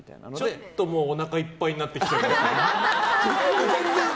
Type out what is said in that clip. ちょっとおなかいっぱいになってきましたね。